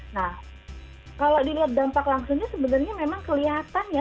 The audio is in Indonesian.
nah kalau dilihat dampak langsungnya sebenarnya memang kelihatannya